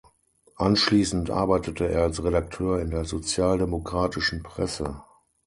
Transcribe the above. Anschließend arbeitete er als Redakteur in der sozialdemokratischen Presse.